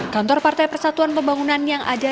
kantor partai persatuan pembangunan yang ada